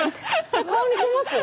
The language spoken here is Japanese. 顔似てますよ。